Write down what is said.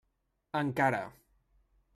Encara.